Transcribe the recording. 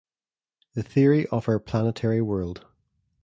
The Theory of our Planetary World.